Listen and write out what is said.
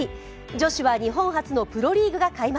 女子は日本初のプロリーグが開幕。